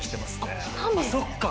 そっか。